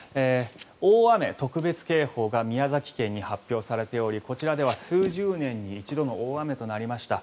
大雨特別警報が宮崎県に発表されておりこちらでは数十年に一度の大雨となりました。